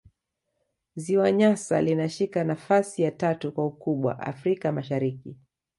ziwa nyasa linashika nafasi ya tatu kwa ukubwa afrika mashariki